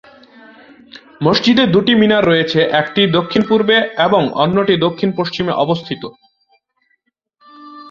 মসজিদে দুটি মিনার রয়েছে, একটি দক্ষিণ-পূর্বে এবং অন্যটি দক্ষিণ-পশ্চিমে অবস্থিত।